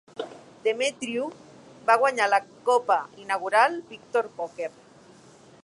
Demetriou va guanyar la cope inaugural Victor Poker.